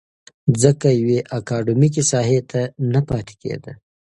ځکه يوې اکادميکې ساحې ته نه پاتې کېده.